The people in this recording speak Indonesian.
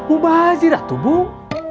ubah zirat tubuh